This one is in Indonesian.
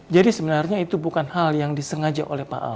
jadi sebenarnya itu bukan hal yang disengaja oleh pak al